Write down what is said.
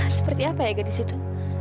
seperti apa ya gadis itu